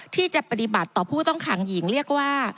ที่จะปฏิบัติต่อผู้ต้องขังหญิงเรียกว่า